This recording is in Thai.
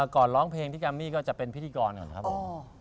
ร้องเพลงที่แกมมี่ก็จะเป็นพิธีกรก่อนครับผม